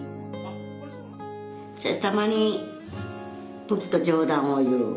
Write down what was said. たまにぷっと冗談を言う。